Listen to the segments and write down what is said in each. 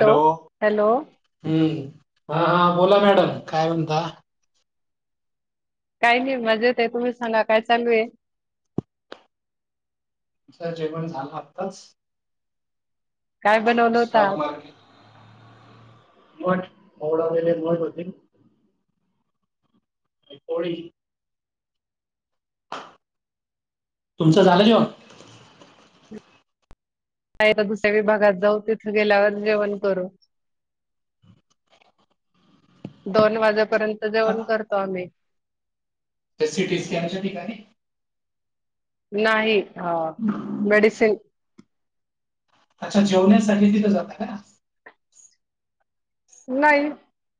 Hello हम्म, हा हा बोला मॅडम काय म्हणता? काही नाही मजेत ये, तुम्हीच सांगा काय चालू ये? [unintelligible] जेवन झालं आताच. काय बनवलं होत सॉक आज मार्केट मठ मोडालेले मठ होते. आणि पोळी. तुमचं झालं जेवण? नाही आता दुसरी बागात जाऊ तिथं गेल्यावर जेवण करू. दोन वाजेपर्यंत हा, जेवण करतो आम्ही. त्या सी टी स्कॅन च्या ठीकाणी. नाही अ मेडिसिन अच्छा जेवण्यासाठी तिथं जाता का? नाही.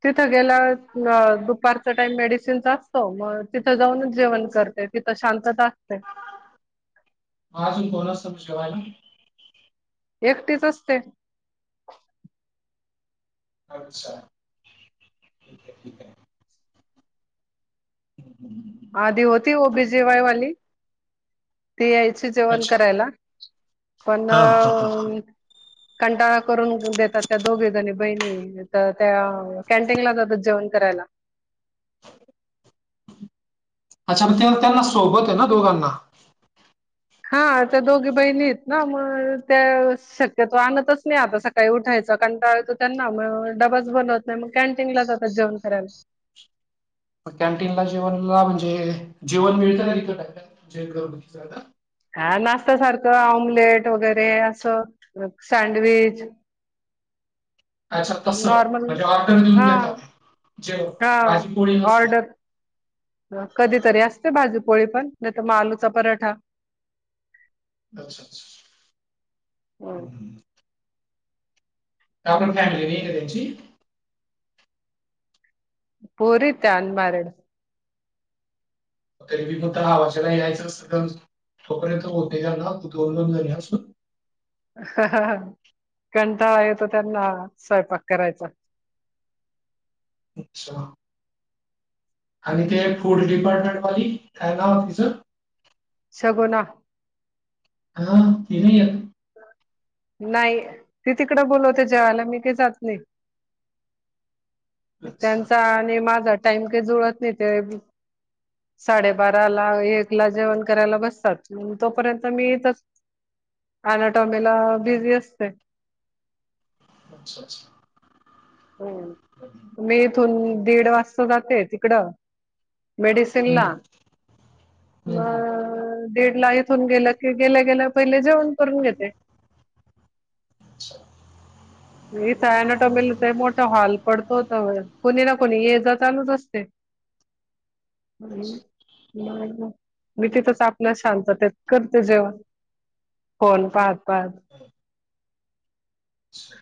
तिथं गेल्यवर दुपारचा टाइम मेडिसिनचा असतो, मग तिथं जाऊनच जेवण करतेत. तिथ शांतता असते. आजून कोण असत जेवायला? एकटीच असते. अच्छा. ठीक आहे ठीक आहे. [inaudible] आधी होती ओ बी जी वाय वाली ती यायची जेवण अच्छा करायला पण हा हा हा कंटाळा करून देतात त्या दोघी जणी बहिणी ये तर त्या कॅन्टीन ला जातात जेवण करायला. अच्छा म त्यो त्यो न सोबत हे ना दोघांना? हा त्या दोघी बहिणी हेत ना म त्या शक्यतो आणतच नाही आता सकाळी उठायचा कंटाळा येतो त्यांना म डबाच बनवत नाही, मग कॅन्टीन ला जातात जेवन करायला. कॅन्टीनला जेवणला म्हणजे जेवण मिळतं का तिथं [unintelligible] हा नाश्त्या सारखं ऑमलेट वगैरे असं सँडविच अच्छा तस, नॉर्मल म्हणजे ऑर्डर देऊन हा घेतात जेवन, हा भाजी पोळी नसते? ऑर्डर कधीतरी असते भाजी, पोळी पण नाही तर आलूचा पराठा. अच्छा अच्छा, हम. [unintelligible] पोरी ये त्या अन मॅरीड. [unintelligible] कंटाळा येतो त्यांना स्वयंपाक करायचा. अच्छा. आणि ते फूड डिपार्टमेंट वाली काय नावं तीच. सगुना. हा तिन नाही येत. नाही ती तिकडं बोलवते जेवायला मी काय जात नाही. हं. त्यांचा आणि माझा टाईम काही जुळत नाही ते. साडे बारा ला एक जेवण करायला बसतात तोपर्यंत मी इथंच. आधाटामेला बिझी असते. अच्छा अच्छा. ह मी इथून दीड वाजता जाते तिकडं. मेडसिनला हं, हं, हं. मग. दीड ला इथून गेलं की गेल्या गेल्या पहिले जेवण करून घेते. अच्छा, इथ ऐनोटोमला मोठा हॉल पडतो होत कुणी ना कोणी येजा चालूच असते. अच्छा. मी तिथंच आपल्या शांत तेत करते जेवण. फोन पाहत पाहात. अच्छा.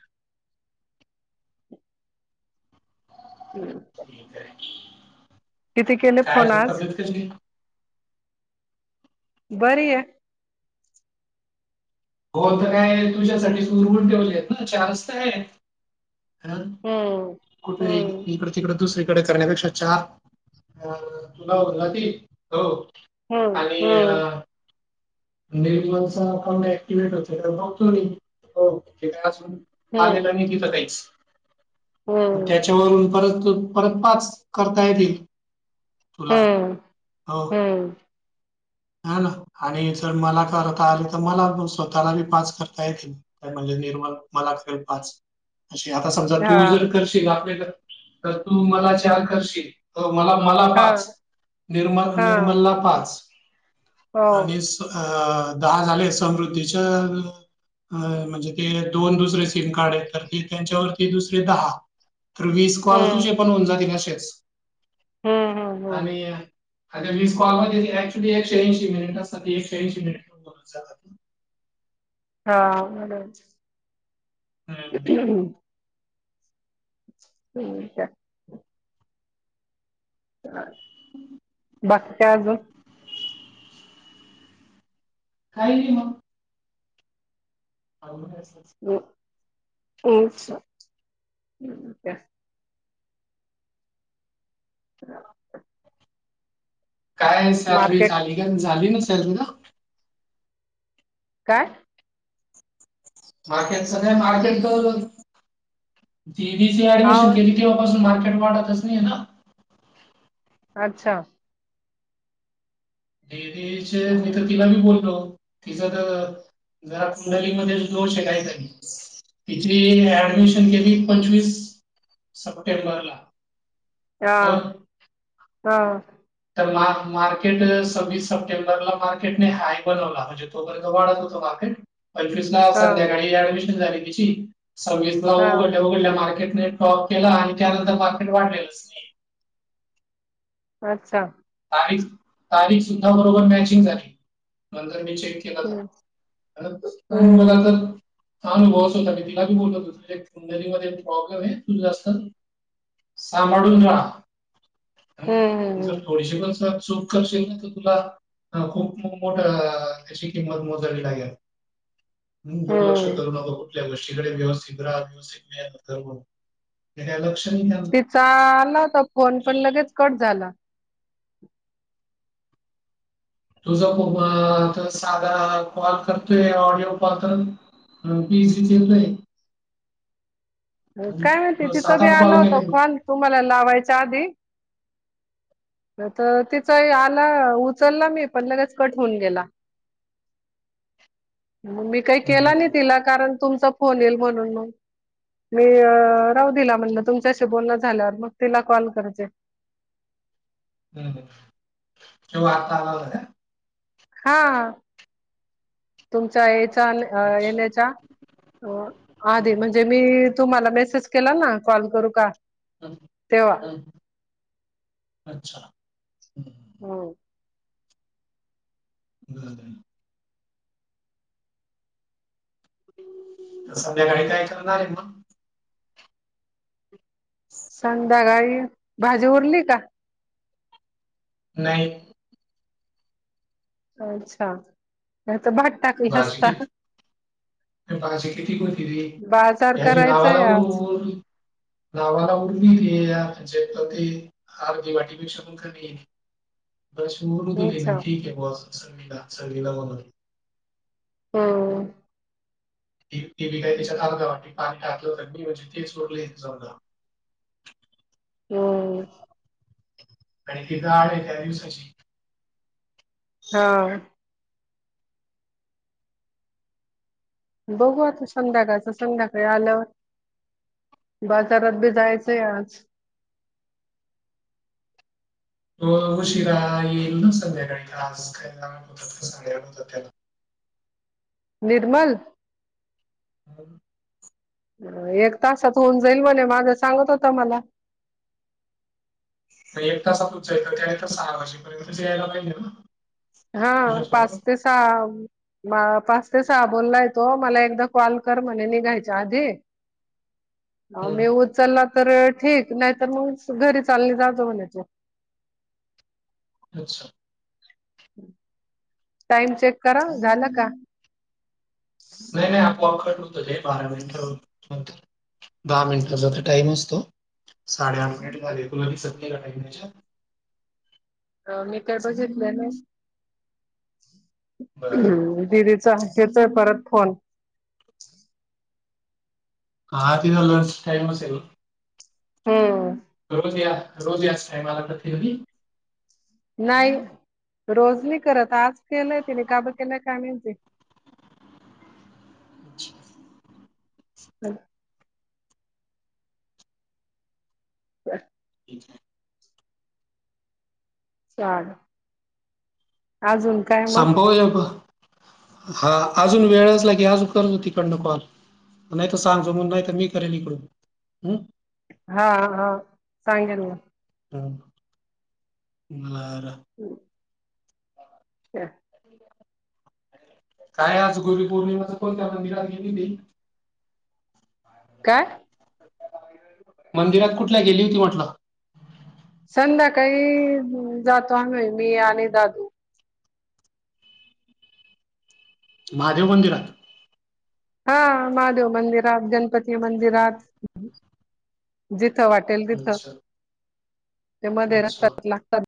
हम्. [unintelligible] किती केले काय फोन अजून आज? तब्येत कशी? आहे? बर या. [unintelligible] [unintelligible] [unintelligible] हम्म. हम्म. हम्म. आणि हम्म. अ निर्मलचा फोन नाही. [unintelligible] हम्म. आलेलं नाही तिथं काहीच. हम्म. त्याच्यावरून परत परत पाच करता येतील. तुला हम्म. हो. हम्म. ह ना आणि जर मला करता आली तर मला स्वतःला बी पाच करता येतील. काय म्हणजे निर्मल मला केल पाच. अ आता समजा तू हा. जर करशील आपले तर तू मला चार करशील. हो मला मला हा. पाच निर्मल हा. निर्मलला पाच. हो. आणि अ दहा झाले समृद्धीच्या. अ म्हणजे ते दोन दुसरे सिम कार्ड आहेत तर ते त्यांच्यावरती दुसरे दहा. तर वीस कॉल हम्म. चे पण होऊन जातील असेच हम्म. हम्म. हम्म. आणि. आ वीस कॉलमध्ये एकशे ऐंशी मिनिट असतात एकशे ऐंशी मिनिट होऊन जातात. हा बोला. हम्म. [unintelligible] ठीक आहे. ह. बाकी काय अजून? काही नाही भाव [unintelligible] [unintelligible] [unintelligible] [unintelligible] काय सॅलरी मार्केट झाली का झाली ना सॅलरीला. काय? मार्केट सगळ्यात मार्केट [unintelligible] आहो ऍडमिशन केली. तेव्हापासून मार्केट वाढतच नाहीये ना. अच्छा. दीदीचे मी हम्म. तर तिला मी बोललो तिजा तर जरा कुंडलीमध्ये दोष आहे काहीतरी. तिची ऍडमिशन केली पंचवीस सप्टेंबरला. आं तर आं. तर मार्क मार्केट सव्वीस सप्टेंबरला मार्केटने हायप बनवला म्हणजे तोपर्यंत वाढत होतं मार्केट पंचवीसला हा संध्याकाळी ऍडमिशन झाली तिची सववीसला हा उघडल्या उघडल्या मार्केटने टॉप केला आणि त्यानंतर मार्केट वाढलेलंच. नाही अच्छा. तारीख-तारीख सुद्धा बरोबर मॅचिंग झाली नंतर मी चेक केलं होतं. हम्म [unintelligible] [unintelligible] हम्म होता मी तिला बी बोललो तुझ्या कुंडली मध्ये प्रॉब्लेम आहे तू जास्त सांभाळून राह. हम्म हम्म हम्म. पुढची पण साफ सुफ करशील ना तर तुला हा खूप मो मोठा त्याची किंमत मोजावी लागेल. म्हणून दुर्लक्ष हम्म करू नको- कुठल्या गोष्टी कडे व्यवस्थित राह व्यवस्थित [unintelligible] ते काय लक्ष नाही देणा चा आला होता फोन पण लगेच कट झाला. तुझं [unintelligible] सादा कॉल करतोय ऑडिओ कॉल तर मंग पी सी. [unintelligible] हा काय म्हणती अ, तिचा सात बी आठ आला कॉल होता केले मी. कॉल तुम्हाला लावायच्या आदी तर तिचा ही आला उचलला मी पण लगेच कट होऊन गेला. मंग मी काही केला नाही हं, तिला कारण तुमचा फोन येईल म्हणून मंग. मी अ राहू दिला म्हणलं तुमच्याशी बोलणं झाल्यावर मग तिला कॉल करते. हम्म तो आता आला होता काय? हा तुमच्या याचा आन अ अच्छा. येणेचा. हो आदी म्हणजे हं, मी तुम्हाला मेसेज केला ना कॉल करू का. तेव्हा [unintelligible] अच्छा. हं, हं. हां. बरं आहे म. संध्याकाळी काय करणार आहे म? संध्याकाळी भाजी उरली का? नाही. अच्छा नाही तर भात टाकले असता. त्या भाजी किती गं होती रे बाजार त्याची नावा करायचाय आज लागून नावाला [unintelligible] आर्धी वाटीपेक्षा पण कमी आहे. तशी मोडू दिले अच्छा मी ठीक आहे बस चवीला चवीला म्हणून. हो. ती ती बी काय त्याच्यात अर्ध वाटी पाणी टाकलं होतं मी म्हणजे ते सोडले जाऊ द्या [unintelligible] आणि तिथं आहे त्या दिवसाची. हां. बघू आता संध्याकाळच संध्याकाळी आल्यावर. बजारात बी जायचंय आज. तो उशिरा येईल न संध्याकाळी क्लास त्याला [unintelligible] त्याला. निर्मल [inaudible] एक तासात होऊन जाईल म्हणे माग सांगत होता मला. एक तासात होतंय का तर त्यानं तर सहा वाजेपर्यंतच यायला पाहिजे ना. हा पाच तुझ्यासोबत? ते सहा. म पाच ते सहा बोललाय तो मला एकदा कॉल कर म्हणे निघायच्या आधी. [inaudible] अ हं. मी उचलला तर ठीक, नाहीतर मग घरी चालले जातो म्हणे तो. अच्छा. टाइम चेक करां, झालं का? नाही नाही आपोआप कट होतले, बारा मिनटा नंतर. दहा मिनिटाचा तर टाइम असतो, साडेआठ मिनिट झाले, तुला दिसत नाही का त्याच्यात? मी काय बघितल नाय. बरं हम् दिदीचा येतोय परत फोन. हा तिचा लंच टाईम असेल ना. हम्म. रोज या रोज याच टायमला करती का ती? नाही रोज मी करता, आज केलंय तिने का ब केलाय काय माहिती. [inaudible] [inaudible] [inaudible] [inaudible] चाल आजुन संपव एक, हा अजून वेळ आसला की आजू करतो तिकडन कॉल. नाही त सांग तो मग नाही तर मी करेल इकडून, हम्. हा हा सांगेन मी. हां, बर. [inaudible] [inaudible] काय आज गुरुपौर्णिमाचं कोणत्या मंदिरात गेली नाही? काय? मंदिरात कुठल्या गेली होती म्हटलं? संध्याकाळी जातो आम्ही मी आणि दादू. महादेव मंदिरात? हा महादेव मंदिरात, गणपती मंदिरात जिथे वाटेल तिथ. अच्छा ते मध्ये अच्छा रस्त्यात लागतात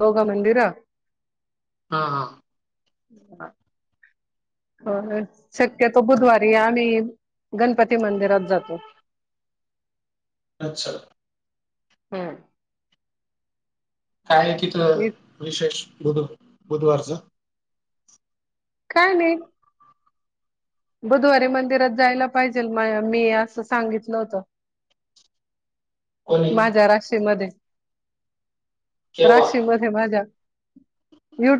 दोघ मंदिर हां हां. [inaudible] हो शक्यतो बुधवारी आम्ही गणपती मंदिरात जातो. अच्छा! ह्म. काय तिथं विशेष बुध बुधवारच. काय नाही. बुधवारी मंदिरात जायला पाहिजे म मी असं सांगितलं होतं. [inaudible] माझ्या राशीमध्ये केव्हा राशीमध्ये माझ्या.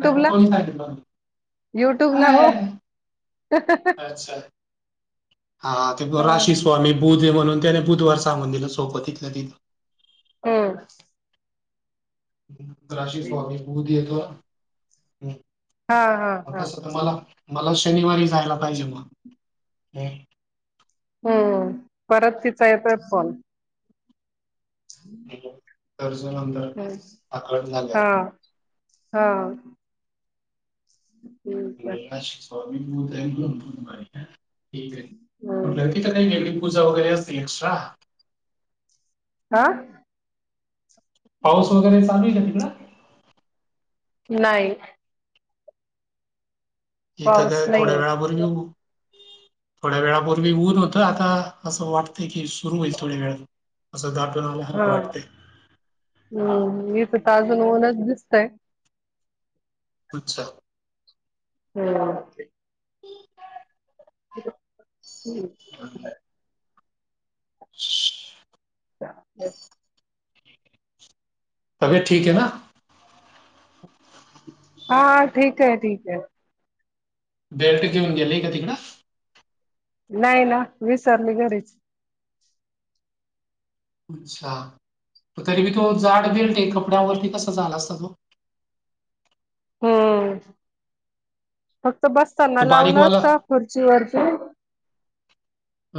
नाही मग ला कोणी सांगितलं युट्यूब ला हो. काय? अच्छा! हा ते राशी स्वामी बुधे म्हणून त्याने बुधवार सांगून दिलं सोपं तिथलं तिथं. ह. राशी स्वामी बूध येत हम. हा हा आ हा तसं तर मला मला शनिवारी जायला पाहिजे मग. हम्म परत तिचा येतोय फोन. [inaudible] तरर्स [unintelligible] हम् हा हा. [inaudible] स्वामीत ठीक आहे हम्म म्हटलं तिथ काेली [unintelligible] पुजा वगैरे असतील एक्स्ट्रा. आ. पाऊस वगैर चालूय का? तिकडं नाही. इथं पाऊस काय थोड्या नाहीये. वेळापूर्वीऊ थोड्या वेळापूर्वी ऊन होतं आता असं वाटतंय की सुरू होईल थोड्या वेळात. असं दाटून आल्यासारखं वाटतंय. हा हितं तर अजून ऊनच दिसतय. अच्छा. हम्. [inaudible] [unintelligible] [inaudible] [unintelligible] [unintelligible] हा ठीक आहे ठीक आहे. बेल्ट घेऊन गेलेय का तिकडं. नाही ना विसरली घरीच. अच्छा तरीबी तो जाड बेल्ट आहे कपड्यावरती कसा झाला असता तो. हम्म फक्त बसताना तो लावून बारीकवाला असत खुर्चीवरती.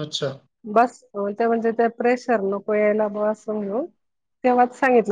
अच्छा. बस ते म्हणजे ते प्रेशर नको यायला ब असं म्हणून तेव्हा सांगितलं.